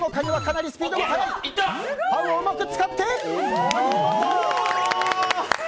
ＰＯＷをうまく使って！